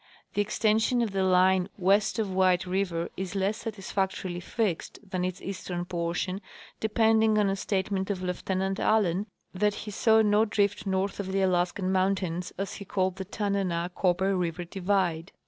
The extension of the line Avest of White river is less satisfactorily fixed than its eastern portion, depending on a statement of Lieutenant Allen that he saAV no drift north of the Alaskan mountains, as he called the Tananah Copper river divide.